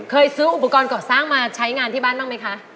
ซื้ออุปกรณ์ก่อสร้างมาใช้งานที่บ้านบ้างไหมคะ